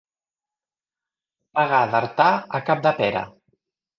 Pegar d'Artà a Capdepera.